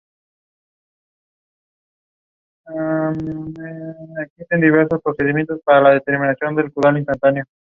El número de personas que acogen puede variar de unos pocos a unos miles.